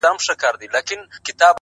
• جهاني به وي د شپو له کیسو تللی,